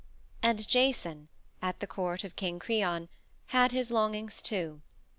And Jason, at the court of King Creon, had his longings, too.